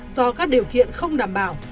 do các điều kiện không đảm bảo